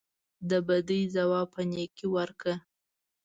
د بدۍ ځواب په نیکۍ ورکړه.